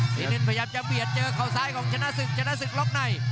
เน้นพยายามจะเบียดเจอเขาซ้ายของชนะศึกชนะศึกล็อกใน